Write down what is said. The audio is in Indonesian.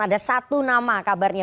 ada satu nama kabarnya